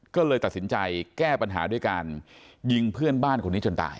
ก็เลยตัดสินใจแก้ปัญหาด้วยการยิงเพื่อนบ้านคนนี้จนตาย